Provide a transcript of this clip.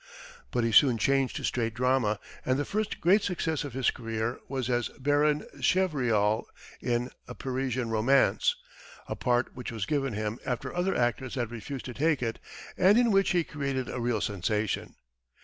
But he soon changed to straight drama, and the first great success of his career was as Baron Chevrial in "A Parisian Romance," a part which was given him after other actors had refused to take it, and in which he created a real sensation.